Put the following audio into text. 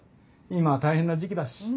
今は大変な時期だし。